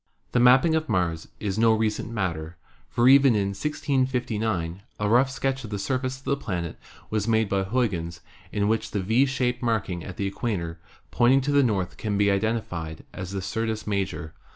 The mapping of Mars is no recent matter, for even in 1659 a rough sketch of the surface of the planet was made by Huygens in which the V shaped marking at the equator pointing to the north can be identified as the Syrtis Major.